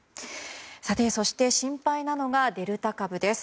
そして心配なのがデルタ株です。